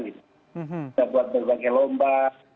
kita buat berbagai lomba